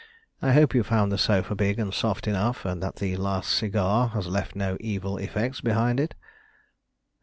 I hope you found the sofa big and soft enough, and that the last cigar has left no evil effects behind it."